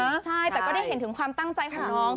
ใช่แต่ก็ได้เห็นถึงความตั้งใจของน้อง